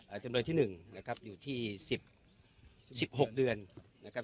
จำเลยที่หนึ่งนะครับอยู่ที่สิบสิบหกเดือนนะครับ